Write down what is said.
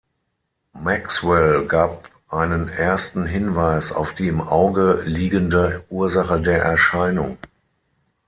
Maxwell gab einen ersten Hinweis auf die im Auge liegende Ursache der Erscheinung.